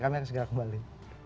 kami akan segera kembali